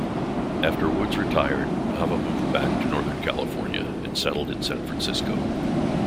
After Woods retired, Nava moved back to Northern California and settled in San Francisco.